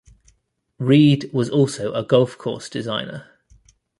Reid was also a golf course designer.